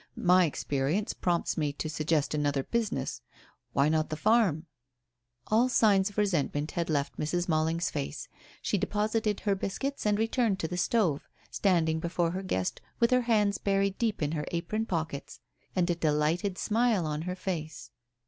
My experience prompts me to suggest another business. Why not the farm?" All signs of resentment had left Mrs. Malling's face. She deposited her biscuits and returned to the stove, standing before her guest with her hands buried deep in her apron pockets and a delighted smile on her face.